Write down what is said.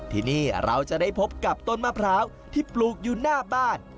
ที่นี่เราจะได้พบกับต้นมะพร้าวที่ปลูกอยู่หน้าบ้าน